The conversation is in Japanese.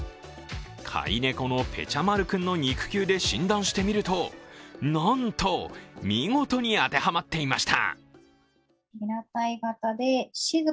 飼い猫のぺちゃ丸君の肉球で診断してみるとなんと、見事に当てはまっていました。